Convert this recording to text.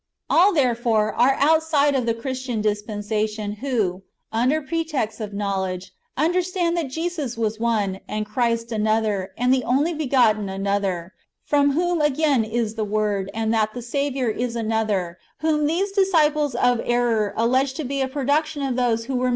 All, therefore, are outside of the [Christian] dispensa tion, who, under pretext of knowledge, understand that Jesus was one, and Christ another, and the Only begotten another, from whom again is the Word, and that the Saviour is another, whom these disciples of error allege to be a pro duction of those wdio were m.